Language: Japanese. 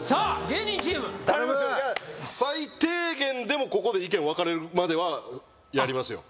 芸人チーム最低限でもここで意見わかれるまではやりますよ